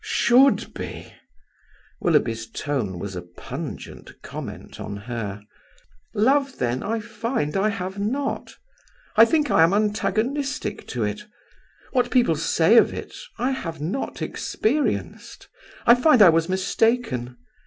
"Should be!" Willoughby's tone was a pungent comment on her. "Love, then, I find I have not. I think I am antagonistic to it. What people say of it I have not experienced. I find I was mistaken.